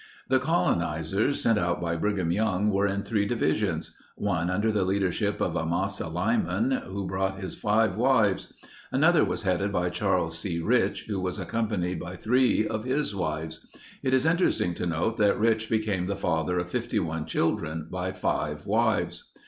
The colonizers sent out by Brigham Young were in three divisions. One under the leadership of Amasa Lyman, who brought his five wives. Another was headed by Charles C. Rich, who was accompanied by three of his wives. It is interesting to note that Rich became the father of 51 children by five wives.